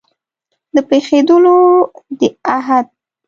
د پېښېدلو د احت